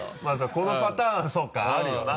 このパターンそうかあるよな。